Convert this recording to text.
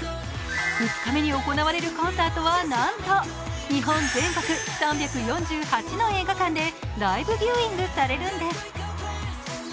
２日目に行われるコンサートはなんと日本全国３４８の映画館でライブビューイングされるんです。